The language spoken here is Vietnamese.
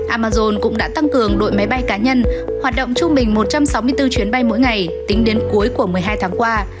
amazon cũng đã tăng cường đội máy bay cá nhân hoạt động trung bình một trăm sáu mươi bốn chuyến bay mỗi ngày tính đến cuối của một mươi hai tháng qua